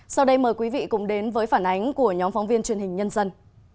sau đây mời quý vị cùng đến với phản ánh của nhóm phóng viên truyền hình nhân dân